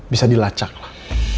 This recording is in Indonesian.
bisa dilacak lah